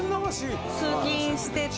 通勤してて。